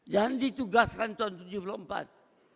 dan ditugaskan tahun seribu sembilan ratus tujuh puluh empat